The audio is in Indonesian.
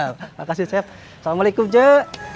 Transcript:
makasih chef assalamualaikum cuk